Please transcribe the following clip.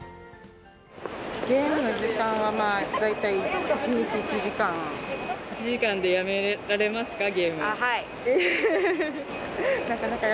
ゲームの時間は大体１日１時１時間でやめられますか？